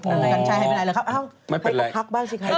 กันชายให้เป็นอะไรหรือครับเอ้าให้เขาพักบ้างสิครับ